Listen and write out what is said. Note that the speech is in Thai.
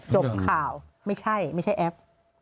จบข่าวไม่ใช่ไม่ใช่แอป